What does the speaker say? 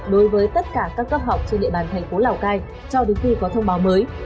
đối với tất cả các cấp học trên địa bàn thành phố lào cai cho đến khi có thông báo mới